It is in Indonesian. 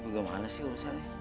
bagaimana sih urusan ya